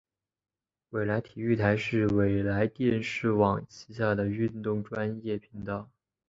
纬来体育台是纬来电视网旗下的运动专业频道。